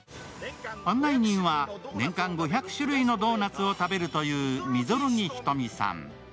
案内人は年間５００種類のドーナツを食べるという溝呂木一美さん。